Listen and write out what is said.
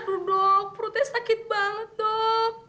aduh dok perutnya sakit banget dok